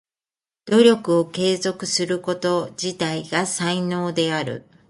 努力を継続すること自体が才能である。